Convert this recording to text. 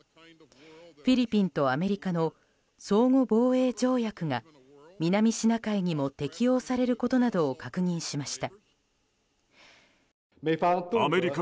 フィリピンとアメリカの相互防衛条約が南シナ海にも適用されることなどを確認しました。